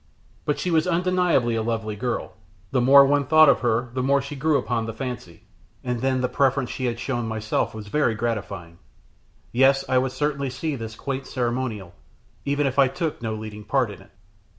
But she was undeniably a lovely girl; the more one thought of her the more she grew upon the fancy, and then the preference she had shown myself was very gratifying. Yes, I would certainly see this quaint ceremonial, even if I took no leading part in it.